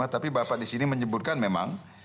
tapi bapak disini menyebutkan memang